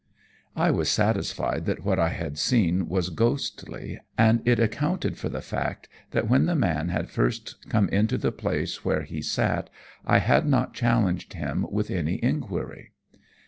"I was satisfied that what I had seen was ghostly, and it accounted for the fact that when the man had first come into the place where he sat I had not challenged him with any enquiry.